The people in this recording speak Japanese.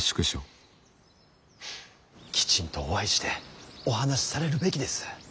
きちんとお会いしてお話しされるべきです。